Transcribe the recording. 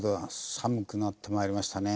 寒くなってまいりましたね。